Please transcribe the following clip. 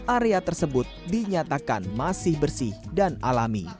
area tersebut dinyatakan masih berada di dalam kumpulan kupu kupu